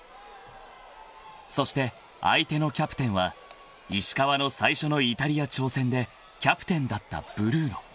［そして相手のキャプテンは石川の最初のイタリア挑戦でキャプテンだったブルーノ］